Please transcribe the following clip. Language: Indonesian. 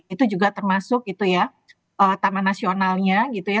itu juga termasuk itu ya taman nasionalnya gitu ya